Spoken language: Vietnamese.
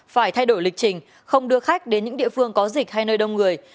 phải thay đổi lịch trình không đưa khách đến những địa phương có dịch hay nơi đông người